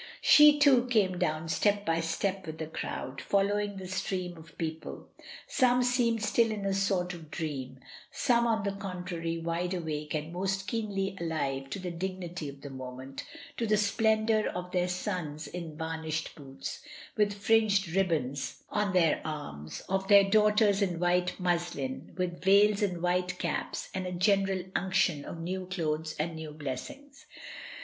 She too came down step by step with the crowd, following the stream of people. Some seemed still in a sort of dream, some, on the contrary, wide awake and most keenly alive to the dignity of the moment, to the splendour of their sons in varnished boots, with fringed ribbon^ 64 MRS. DYMOND. on their arms, of their daughters in white muslin, with veils and white caps, and a general unction of new clothes and new blessings.